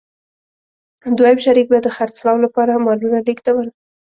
دویم شریک به د خرڅلاو لپاره مالونه لېږدول.